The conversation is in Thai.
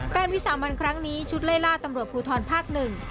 วิสามันครั้งนี้ชุดไล่ล่าตำรวจภูทรภาคหนึ่ง